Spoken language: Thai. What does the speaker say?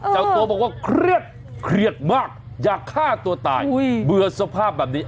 เจ้าตัวบอกว่าเครียดเครียดมากอยากฆ่าตัวตายเบื่อสภาพแบบนี้